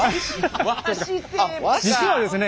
実はですね